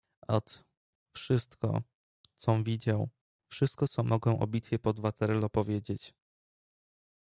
"Ot, wszystko, com widział, wszystko co mogę o bitwie pod Waterloo powiedzieć."